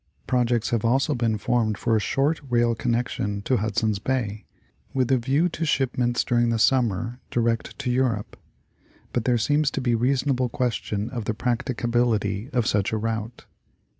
Projects have also been formed for a short rail connection to Hudson's Bay, with a view to shipments during the summer direct to Europe — but there seems to be reason able question of the practicability of such a route.